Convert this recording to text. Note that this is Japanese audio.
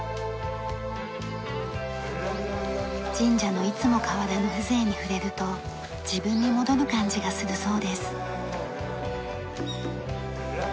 神社のいつも変わらぬ風情に触れると自分に戻る感じがするそうです。